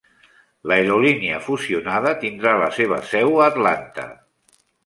L'aerolínia fusionada tindrà la seva seu a Atlanta.